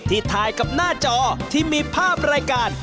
ที่ถ่ายกับหน้าจอที่มีภาพรายการ